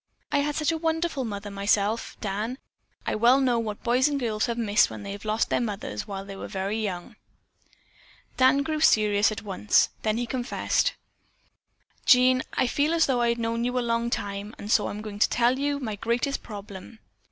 I had such a wonderful mother myself, Dan, I well know what girls and boys have missed when they lost their mothers while they were very young." Dan grew serious at once. Then he confessed: "Jean, I feel as though I had known you for a long time, and so I am going to tell you my greatest problem.